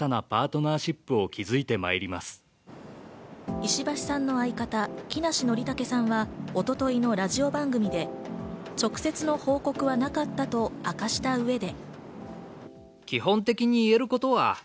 石橋さんの相方・木梨憲武さんは一昨日のラジオ番組で直接の報告はなかったと明かした上で。